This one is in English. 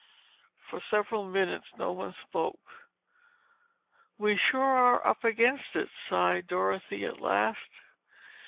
For several minutes no one spoke. "We sure are up against it," sighed Dorothy at last.